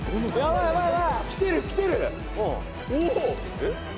「えっ？」